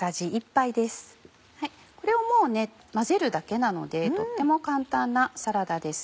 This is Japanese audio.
これをもうね混ぜるだけなのでとっても簡単なサラダです。